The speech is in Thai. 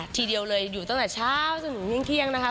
ทีเดียวเลยอยู่ตั้งแต่เช้าจนถึงเที่ยงนะคะ